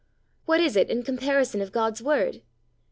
What is it in comparison of God's Word?